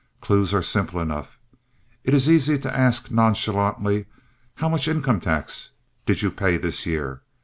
Clues are simple enough. It is easy to ask nonchalantly, "How much income tax did you pay this year?"